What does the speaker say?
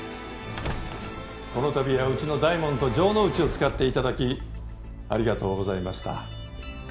この度はうちの大門と城之内を使って頂きありがとうございました。